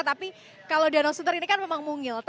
tapi kalau danau sunter ini kan memang mungil